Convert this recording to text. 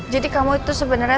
jadi kamu itu sebenernya